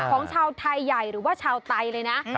ของชาวไทยใหญ่หรือว่าชาวไตเลยนะ